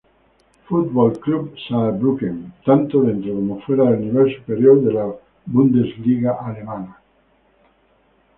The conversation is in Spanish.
Fußball-Club Saarbrücken, tanto dentro como fuera del nivel superior de la Bundesliga alemana.